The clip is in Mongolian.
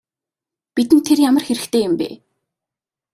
Бидэнд тэр ямар хэрэгтэй юм бэ?